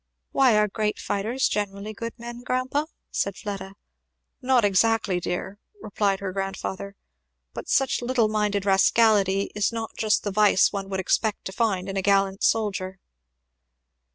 "Why, are great fighters generally good men, grandpa?" said Fleda. "Not exactly, dear!" replied her grandfather; "but such little minded rascality is not just the vice one would expect to find in a gallant soldier."